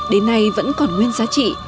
đến nay vẫn còn nguyên giá trị